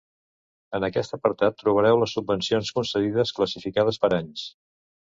En aquest apartat trobareu les subvencions concedides classificades per anys.